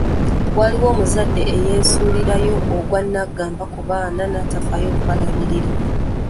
Waliwo omuzadde eyeesuulirayo ogwa naggamba ku baana natafaayo kubalabiririra.